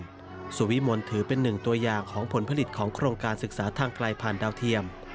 จากนักเรียนจอตู้ในถิ่นธุรกันดาลสวิมนต์ถือเป็นหนึ่งตัวอย่างของผลผลิตของโครงการศึกษาทางไกลผ่านดาวเทียม